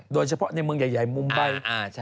โดยเฉพาะในเมืองใหญ่มุมใบ